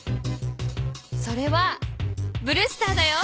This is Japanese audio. それはブルースターだよ。